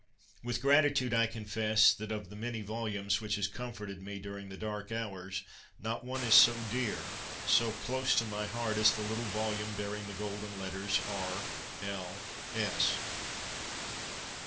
With gratitude I confess that of the many volumes which have comforted me during dark hours not one 92 CONFESSIONS OF A BOOK LOVER is so dear, so close to my heart, as the little volume bearing the golden letters R. L.